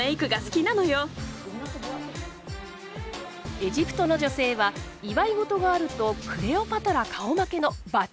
エジプトの女性は祝い事があるとクレオパトラ顔負けのバッチリメイクをするんです。